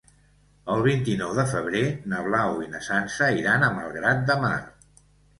El vint-i-nou de febrer na Blau i na Sança iran a Malgrat de Mar.